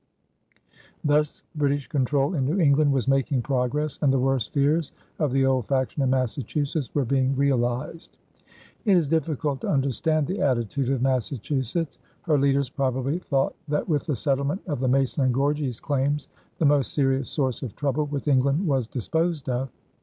Thus British control in New England was making progress, and the worst fears of the "old faction" in Massachusetts were being realized. It is difficult to understand the attitude of Massachusetts. Her leaders probably thought that with the settlement of the Mason and Gorges claims the most serious source of trouble with England was disposed of.